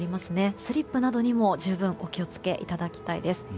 スリップなどにも十分お気を付けいただきたいです。